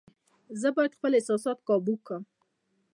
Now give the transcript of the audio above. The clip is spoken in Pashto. زه باید خپل احساسات قابو کړم.